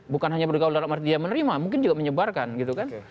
bukan hanya bergaul dalam arti dia menerima mungkin juga menyebarkan gitu kan